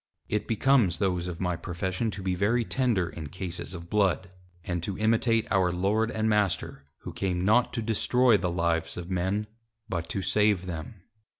It becomes those of my Profession to be very tender in Cases of Blood, and to imitate our Lord and Master, Who came not to destroy the Lives of Men, but to save them.